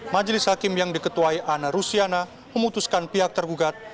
majelis hakim yang diketuai ana rusiana memutuskan pihak tergugat